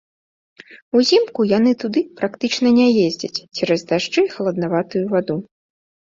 Узімку яны туды практычна не ездзяць цераз дажджы і халаднаватую ваду.